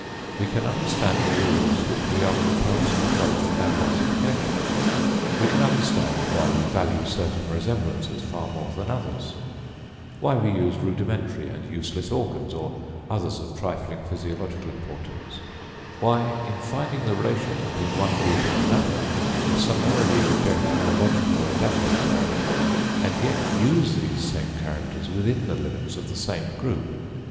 we can understand the rules which we are compelled to follow in our classification. We can understand why we value certain resemblances far more than others; why we use rudimentary and useless organs, or others of trifling physiological importance; why, in finding the relations between one group and another, we summarily reject analogical or adaptive characters, and yet use these same characters within the limits of the same group.